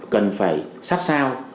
cần phải sát sao